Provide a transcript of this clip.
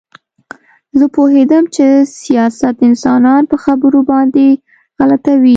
زه پوهېدم چې سیاست انسانان په خبرو باندې غلطوي